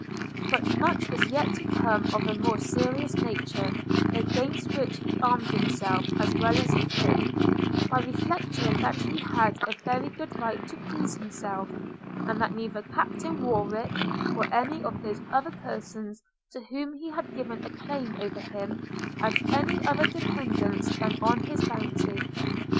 But much was yet to come of a more serious nature, against which he armed himself as well as he could, by reflecting that he had a very good right to please himself, and that neither Captain Warwick, nor any of those other persons to whom he had given a claim over him, had any other dependence than on his bounty.